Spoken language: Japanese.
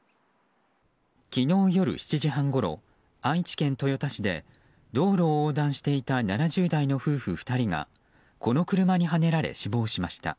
昨日夜７時半ごろ愛知県豊田市で道路を横断していた７０代の夫婦２人がこの車にはねられ死亡しました。